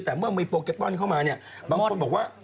แต่เมื่อมีโปแกป้อนเข้ามาเนี่ยบางคนบอกว่า